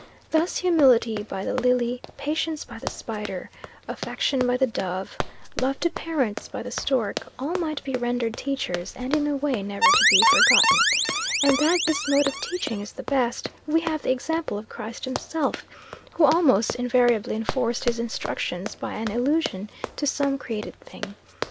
Thus, humility by the lily, patience by the spider, affection by the dove, love to parents by the stork, all might be rendered teachers, and in a way never to be forgotten. And that this mode of teaching is the best, we have the example of Christ himself, who almost invariably enforced his instructions by an allusion to some created thing.